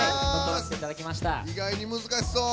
意外に難しそう！